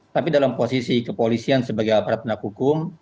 tapi dalam posisi kepolisian sebagai peraturan hukum